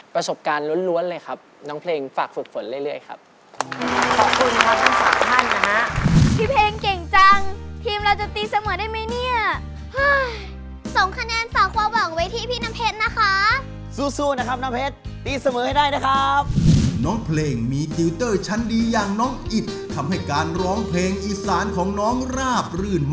ประสบการณ์ล้วนเลยครับน้องเพลงฝากฝึกฝนเรื่อยครับ